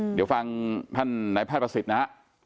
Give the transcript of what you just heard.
เดี๋ยวฟังท่านนายพระพระศิษย์นะ